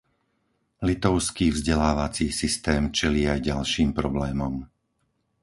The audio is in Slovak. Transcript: Litovský vzdelávací systém čelí aj ďalším problémom.